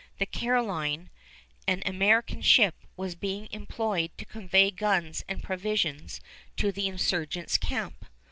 The Caroline, an American ship, was being employed to convey guns and provisions to the insurgents' camp.